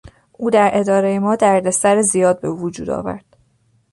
او در ادارهی ما دردسر زیاد به وجود آورد.